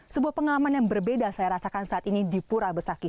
sebuah pengalaman yang berbeda saya rasakan saat ini di pura besakih